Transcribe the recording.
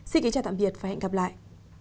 xin kính chào tạm biệt và hẹn gặp lại